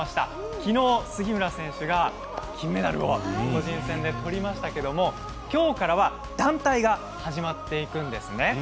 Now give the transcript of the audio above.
きのう、杉村選手が金メダルを個人戦でとりましたけどきょうからは、団体が始まっていくんですね。